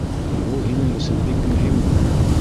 Был һинең өсөн бик мөһимме?